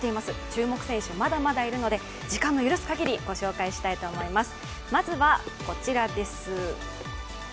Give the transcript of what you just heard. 注目選手はまだまだいるので時間の許す限りご紹介したいと思います。